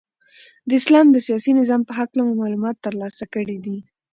د اسلام د سیاسی نظام په هکله مو معلومات ترلاسه کړی دی.